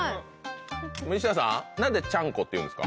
西田さん何でちゃんこっていうんですか？